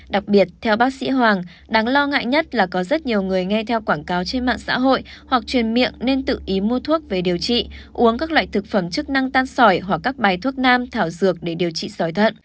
đặc biệt theo bác sĩ hoàng đáng lo ngại nhất là có rất nhiều người nghe theo quảng cáo trên mạng xã hội hoặc truyền miệng nên tự ý mua thuốc về điều trị uống các loại thực phẩm chức năng tan sỏi hoặc các bài thuốc nam thảo dược để điều trị sỏi thận